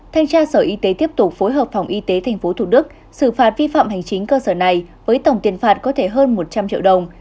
thanh tra sở y tế tiếp tục phối hợp phòng y tế tp thủ đức xử phạt vi phạm hành chính cơ sở này với tổng tiền phạt có thể hơn một trăm linh triệu đồng